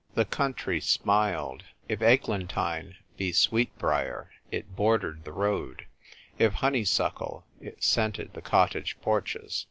The country smiled : if eglantine be sweet briar, it bordered the road; if honeysuckle, it scented the cottage porches.